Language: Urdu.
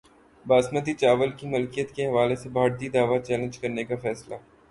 باسمتی چاول کی ملکیت کے حوالے سے بھارتی دعوی چیلنج کرنے کا فیصلہ